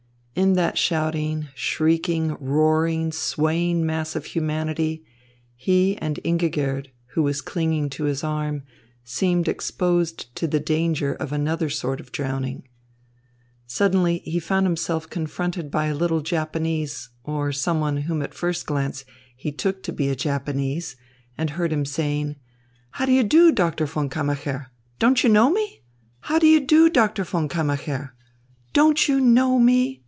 In that shouting, shrieking, roaring, swaying mass of humanity, he and Ingigerd, who was clinging to his arm, seemed exposed to the danger of another sort of drowning. Suddenly he found himself confronted by a little Japanese, or someone whom at first glance he took to be a Japanese, and heard him saying: "How d'ye do, Doctor von Kammacher? Don't you know me? How d'ye do, Doctor von Kammacher? Don't you know me?"